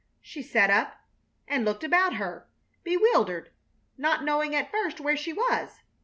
She sat up and looked about her, bewildered, not knowing at first where she was.